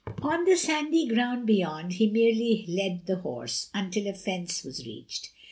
On the sandy ground beyond he merely led the horse until a fence was reached.